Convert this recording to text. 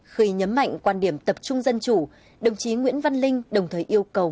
khi nhấn mạnh quan điểm tập trung dân chủ đồng chí nguyễn văn linh đồng thời yêu cầu